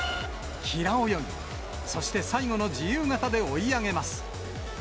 平泳ぎ、そして最後の自由形で追い上げます。